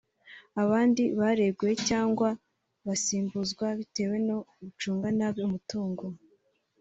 Abandi bareguye cyangwa basimbuzwa bitewe no gucunga nabi umutungo